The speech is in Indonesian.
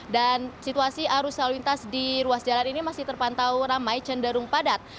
dan situasi arus lalu lintas di ruas jalan ini masih terpantau ramai cenderung padat